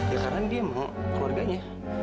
ya karena dia emang keluarganya